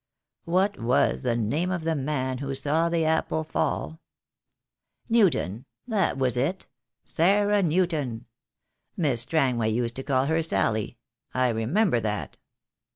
What was the name of the man who saw the apple fall? — Newton — that was it, Sarah Newton. Miss Strangway used to call her Sally. I remember that."